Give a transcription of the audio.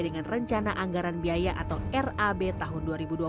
dengan rencana anggaran biaya atau rab tahun dua ribu dua puluh